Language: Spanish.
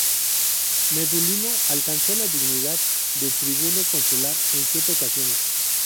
Medulino alcanzó la dignidad de tribuno consular en siete ocasiones.